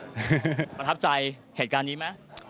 ประทับใจเหตุการณ์นี้ไหม